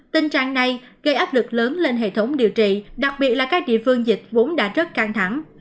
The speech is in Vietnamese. tình trạng này gây áp lực lớn lên hệ thống điều trị đặc biệt là các địa phương dịch vốn đã rất căng thẳng